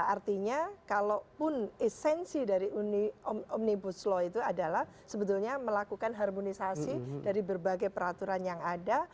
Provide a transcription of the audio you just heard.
artinya kalaupun esensi dari omnibus law itu adalah sebetulnya melakukan harmonisasi dari berbagai peraturan yang ada